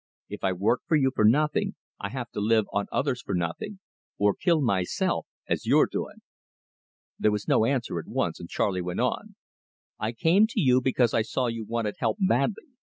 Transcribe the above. If I work for you for nothing, I have to live on others for nothing, or kill myself as you're doing." There was no answer at once, and Charley went on: "I came to you because I saw you wanted help badly.